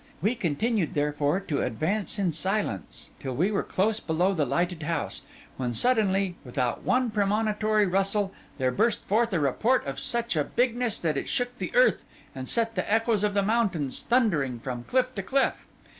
We continued, therefore, to advance in silence, till we were close below the lighted house; when suddenly, without one premonitory rustle, there burst forth a report of such a bigness that it shook the earth and set the echoes of the mountains thundering from cliff to cliff.